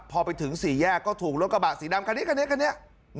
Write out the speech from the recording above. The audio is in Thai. พอไปถึง๔แยกแล้วก็ถูกรถกระบะสีดำกันเนี้ย